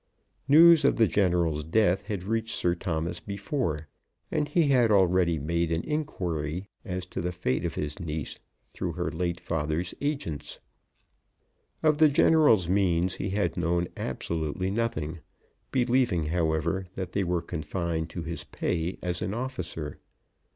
News of the General's death had reached Sir Thomas before; and he had already made inquiry as to the fate of his niece through her late father's agents. Of the General's means he had known absolutely nothing, believing, however, that they were confined to his pay as an officer.